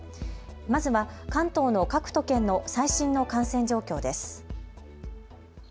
まずは関東の各都県の最新の感染状況です。